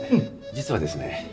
実はですね